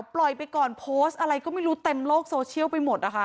ปล่อยไปก่อนโพสต์อะไรก็ไม่รู้เต็มโลกโซเชียลไปหมดนะคะ